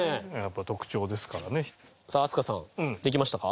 さあ飛鳥さんできましたか？